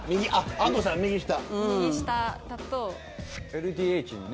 安藤さん、右下。